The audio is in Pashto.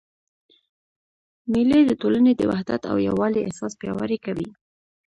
مېلې د ټولني د وحدت او یووالي احساس پیاوړی کوي.